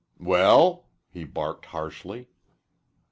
"Well," he barked harshly.